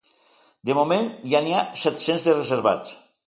De moment, ja n’hi ha set-cents de reservats.